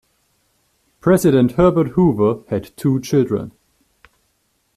President Herbert Hoover had two children.